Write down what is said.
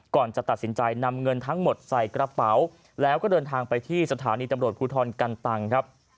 ก่อนจะตัดสินใจนำเงินทั้งหมดใส่กระเป๋าแล้วก็เดินทางไปที่สถานีตำรวจภูทรกันตังครับ